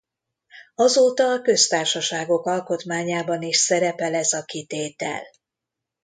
Azóta a köztársaságok alkotmányában is szerepel ez a kitétel.